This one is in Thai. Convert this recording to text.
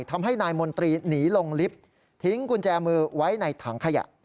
ทำให้นายมนตรีหนีลงลิฟต์ทิ้งกุญแจมือไว้ในถังขยะ